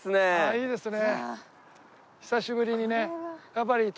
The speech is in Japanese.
いいですね。